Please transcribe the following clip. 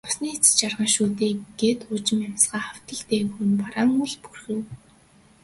Зовсны эцэст жаргана шүү дээ гээд уужим амьсгаа автал дээгүүр нь бараан үүл бүрхэв.